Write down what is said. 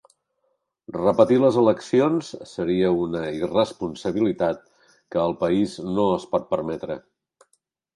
Repetir les eleccions seria una irresponsabilitat que el país no es pot permetre.